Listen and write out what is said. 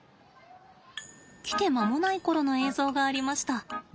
来て間もない頃の映像がありました。